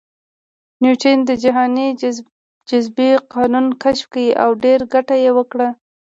نیوټن د جهاني جاذبې قانون کشف کړ او ډېره ګټه یې وکړه